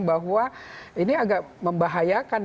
bahwa ini agak membahayakan